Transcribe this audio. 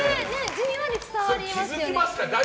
じんわり伝わりますから。